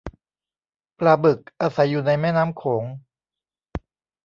ปลาบึกอาศัยอยู่ในแม่น้ำโขง